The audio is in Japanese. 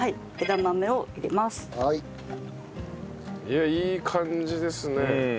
いやいい感じですね。